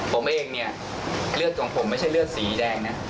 ผมเองเนี่ยเลือดของผมไม่ใช่เลือดสีแดงนะ